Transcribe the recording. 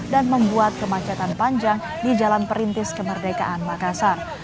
dan membuat kemacetan panjang di jalan perintis kemerdekaan makassar